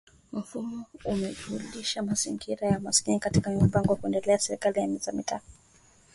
Mfumo umejumuisha mazingira na umaskini katika mipango ya maendeleo ya serikali za mitaa